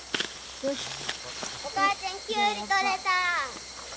お母ちゃんキュウリ取れた。